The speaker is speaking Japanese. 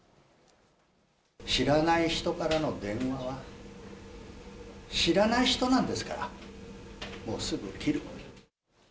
知らない人からの電話は、知らない人なんですから、もうすぐ切る。